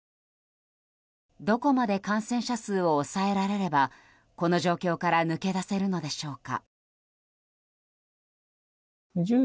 どこまで感染者数を抑えられればこの状況から抜け出せるのでしょうか。